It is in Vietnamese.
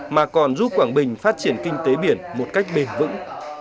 mà còn giúp quảng bình phát triển kinh tế biển một cách bền vững